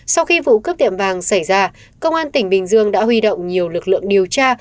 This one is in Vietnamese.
sau khi vụ cướp tiệm vàng xảy ra công an tỉnh bình dương đã huy động nhiều lực lượng điều tra